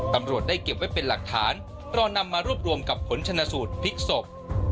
ตำรวจได้เก็บไว้เป็นหลักฐานรอนำมารวบรวมกับผลชนะสูตรพลิกศพ